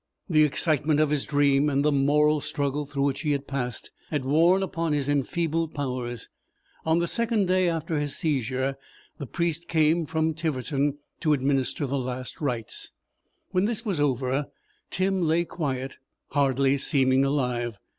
The excitement of his dream and the moral struggle through which he had passed had worn upon his enfeebled powers. On the second day after his seizure the priest came from Tiverton to administer the last rites. When this was over, Tim lay quiet, hardly seeming alive.